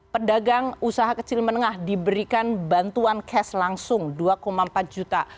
pedagang usaha kecil menengah diberikan bantuan cash langsung dua empat juta